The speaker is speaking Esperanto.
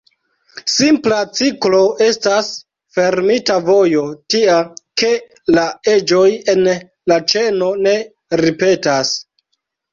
Simpla ciklo estas fermita vojo tia, ke la eĝoj en la ĉeno ne ripetas.